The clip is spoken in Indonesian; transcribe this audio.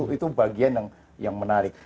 itu bagian yang menarik